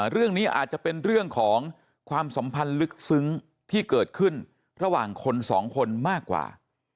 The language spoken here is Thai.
เรื่องนี้อาจจะเป็นเรื่องของความสัมพันธ์ลึกซึ้งที่เกิดขึ้นระหว่างคนสองคนมากกว่า